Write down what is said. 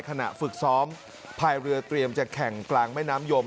ขณะฝึกซ้อมภายเรือเตรียมจะแข่งกลางแม่น้ำยม